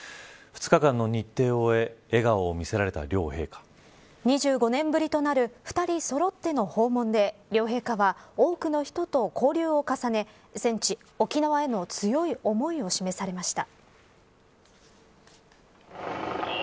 ２日間の日程を終え２５年ぶりとなる２人そろっての訪問で両陛下は多くの人と交流を重ね戦地、沖縄への強い思いを示されました。